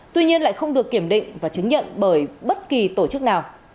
tuy nhiên lại không được kiểm định và chứng nhận bởi bất kỳ tổ chức nào